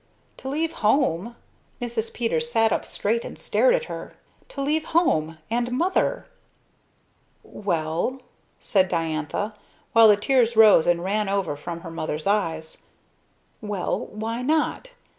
"To leave home!" Mrs. Peters sat up straight and stared at her. "To leave home! And Mother!" "Well?" said Diantha, while the tears rose and ran over from her mother's eyes. "Well, why not?